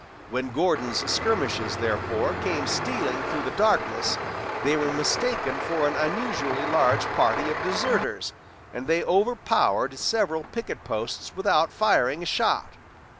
When Gordon's skirmishers, therefore, came stealing through the darkness, they were mistaken for an unusually large party of deserters, and they over powered several picket posts without firing a shot.